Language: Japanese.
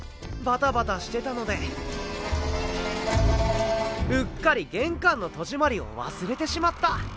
バタバタしてたのでうっかり玄関の戸締まりを忘れてしまった。